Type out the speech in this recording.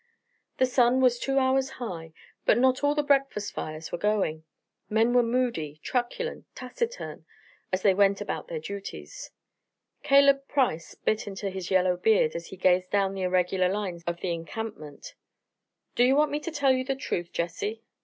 The sun was two hours high, but not all the breakfast fires were going. Men were moody, truculent, taciturn, as they went about their duties. Caleb Price bit into his yellow beard as he gazed down the irregular lines of the encampment. "Do you want me to tell you the truth, Jesse?"